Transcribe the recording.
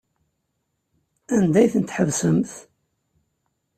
Anda ay tent-tḥebsemt?